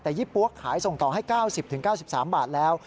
แต่ยี่ปั๊วขายส่งต่อให้๙๐๙๓บาทแล้ว